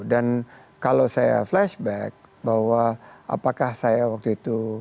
dan kalau saya flashback bahwa apakah saya waktu itu